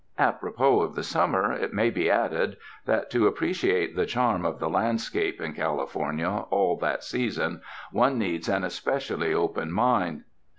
Apropos of the summer, it may be added that to appreciate the charm of the landscape in California all that season, one needs an especially open mind.